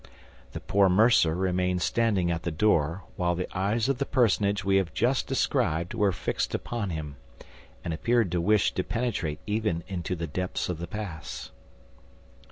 The poor mercer remained standing at the door, while the eyes of the personage we have just described were fixed upon him, and appeared to wish to penetrate even into the depths of the past.